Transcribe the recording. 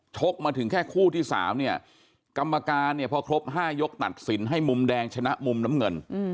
กมาถึงแค่คู่ที่๓เนี่ยกรรมการเนี่ยพอครบ๕ยกตัดสินให้มุมแดงชนะมุมน้ำเงิน